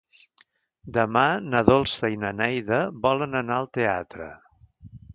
Demà na Dolça i na Neida volen anar al teatre.